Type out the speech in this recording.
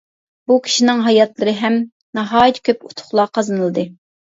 بۇ كىشىنىڭ ھاياتلىرى ھەم ناھايىتى كۆپ ئۇتۇقلار قازىنىلدى.